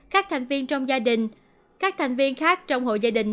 các thành viên trong gia đình các thành viên khác trong hội gia đình